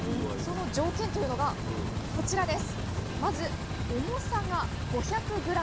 その条件というのがこちらです。